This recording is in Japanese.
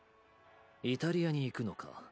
イタリアに行くのか。